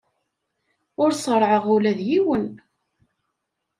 Ur ṣerrɛeɣ ula d yiwen.